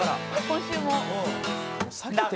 「今週も」